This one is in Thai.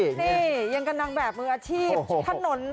นี่ยังกับนางแบบมืออาชีพถนน